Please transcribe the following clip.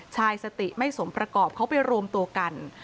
ชายสติไม่สมประกอบเขาไปรวมตัวกัน